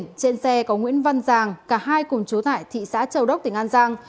trên xe có nguyễn văn giang cả hai cùng chú tải thị xã châu đốc tỉnh an giang